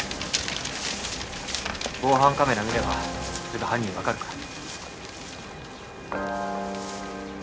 防犯カメラ見ればすぐ犯人わかるから。